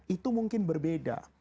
itu mungkin berbeda